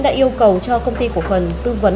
đã yêu cầu cho công ty cổ phần tư vấn